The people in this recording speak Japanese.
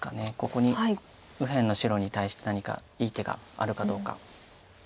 ここに右辺の白に対して何かいい手があるかどうか。